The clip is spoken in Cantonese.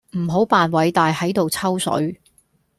唔好扮偉大喺度抽水